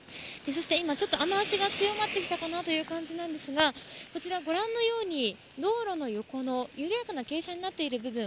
そして今、雨脚が強まってきたかなという感じなんですがこちら、ご覧のように道路の横の緩やかな傾斜になってる部分。